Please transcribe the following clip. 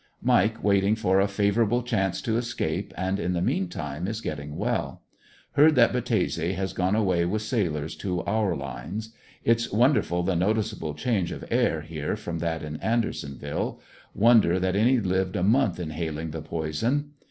Mike waiting for a favorable chance to escape and in the meantime is getting well ; heard that Battese has gone away with sailors to our Imes Its wonderful the noticeable change of air here from that at Andersonville — wonder that any lived a month inhaling the poison.